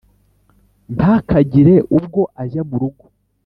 ntakagire ubwo ajya mu rugo